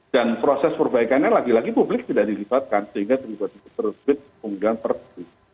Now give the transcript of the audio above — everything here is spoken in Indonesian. dan proses perbaikannya lagi lagi publik tidak dilibatkan sehingga terlibat libat terbit kemudian pergi